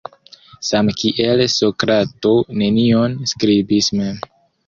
Same kiel Sokrato nenion skribis mem.